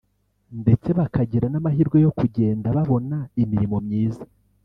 ndetse bakagira n’amahirwe yo kugenda bobona imirimo myiza